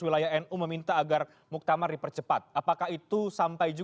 tetapi yang punya kewenangan untuk menetapkan kan pbnu